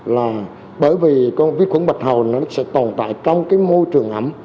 là bởi vì con viết khuẩn bạch hầu nó sẽ tồn tại trong cái môi trường ẩm